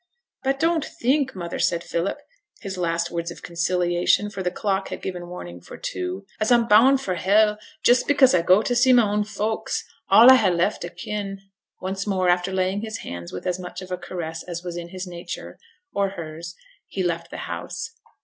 'But don't think, mother,' said Philip, his last words of conciliation, for the clock had given warning for two, 'as I'm boun' for hell, just because I go t' see my own folks, all I ha' left o' kin.' And once more, after laying his hand with as much of a caress as was in his nature on hers, he left the house.